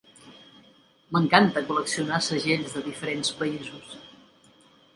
M'encanta col·leccionar segells de diferents països.